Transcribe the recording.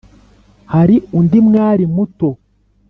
hari undi mwali muto